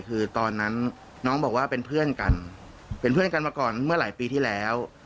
คือตอนนั้นน้องบอกว่าเป็นเพื่อนกันเป็นเพื่อนกันมาก่อนเมื่อหลายปีที่แล้ว